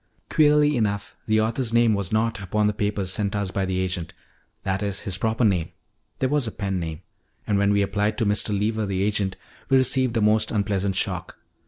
"Queerly enough, the author's name was not upon the papers sent us by the agent that is, his proper name; there was a pen name. And when we applied to Mr. Lever, the agent, we received a most unpleasant shock.